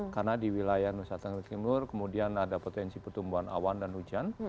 karena di wilayah nusa tenggara timur kemudian ada potensi pertumbuhan awan dan hujan